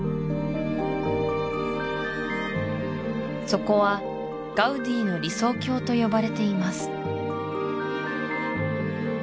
そこはガウディの理想郷と呼ばれています